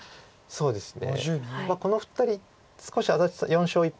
そうですね。